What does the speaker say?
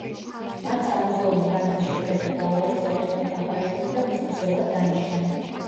მათ სამუზეუმო განძის შეკრება დაავალეს ექვთიმე თაყაიშვილს და მის მცველად დანიშნეს.